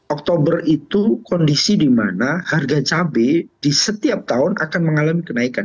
oktober itu kondisi di mana harga cabai di setiap tahun akan mengalami kenaikan